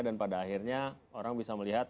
dan pada akhirnya orang bisa melihat